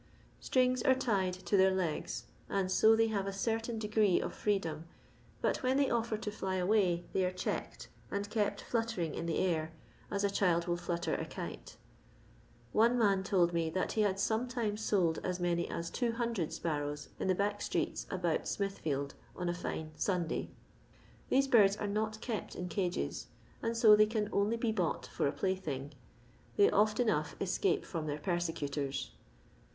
Strings are tied to their legs and so they have a certain degree of freedom, but when they offer to fly away they are checked, and kept fluttering in the air as a child will flutter a kite. One man told me that he had sometimes sold as many as 200 sparrows in the back streets about Smithfield on a fine Sunday. These birds are not kept in cages, and so they can only be bought for a plaything. They oft enough escape from their persecutors.